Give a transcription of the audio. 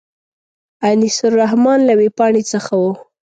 انیس الرحمن له وېبپاڼې څخه و.